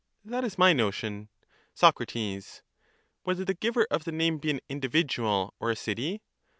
That is my notion. Soc. Whether the giver of the name be an individual or a city?